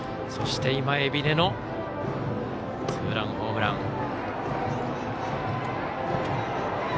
そして、今、海老根のツーランホームラン。